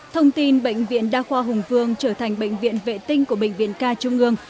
thông tin bệnh viện đa khoa hùng vương trở thành bệnh viện vệ tinh của bệnh viện ca trung ương